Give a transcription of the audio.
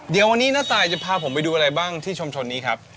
เดี๋ยววันนี้ณตายจะพาผมไปดูอะไรบ้างที่ชุมชนนี้ครับ